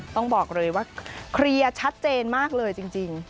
ต้องบอกเลยว่าเคลียร์ชัดเจนมากเลยจริง